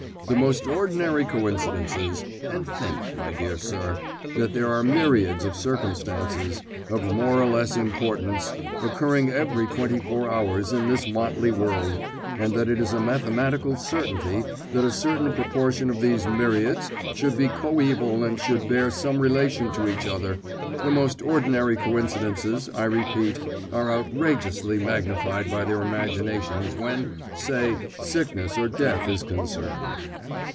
The most ordinary coincidences and think, my dear sir, that there are myriads of circumstances, of more or less importance, occurring every twenty four hours in this motley world, and that it is a mathematical certainty that a certain proportion of these myriads should be coeval and should bear some relation to each other the most ordinary coincidences, I repeat, are outrageously magnified by their imaginations when, say, sickness or death is concerned.